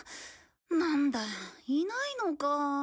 なんだいないのか。